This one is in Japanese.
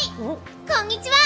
こんにちは。